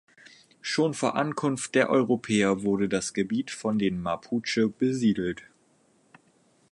Schon vor Ankunft der Europäer wurde das Gebiet von den Mapuche besiedelt.